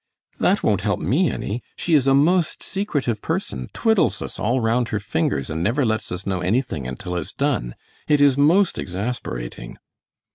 "That won't help me any. She is a most secretive person, twiddles us all round her fingers and never lets us know anything until it's done. It is most exasperating.